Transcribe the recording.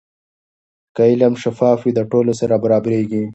که علم شفاف وي، د ټولو سره برابریږي.